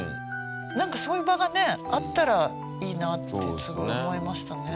なんかそういう場がねあったらいいなってすごい思いましたね。